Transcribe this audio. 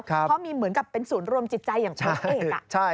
เพราะมีเหมือนกับเป็นศูนย์รวมจิตใจอย่างพระเอก